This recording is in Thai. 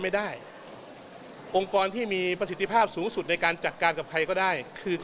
ไม่ได้องค์กรที่มีประสิทธิภาพสูงสุดในการจัดการกับใครก็ได้คือ